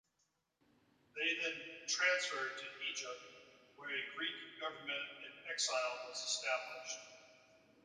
They then transferred to Egypt, where a Greek government in exile was established.